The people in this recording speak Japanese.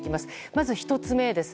まず１つ目です。